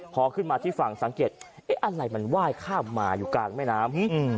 พอขึ้นมาที่ฝั่งสังเกตอะไรมันไหว้ข้ามมาอยู่กลางแม่น้ำ